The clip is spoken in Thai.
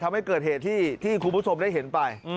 ทำให้เกิดเหตุที่คุณผู้ชมได้เห็นไป